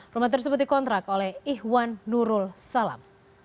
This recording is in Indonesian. rumah tersebut dikontrak oleh ihwan nurul salam